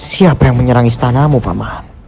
siapa yang menyerang istanamu pak mahat